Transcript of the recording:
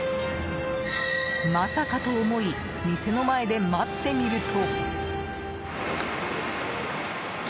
まさかと思い店の前で待ってみると。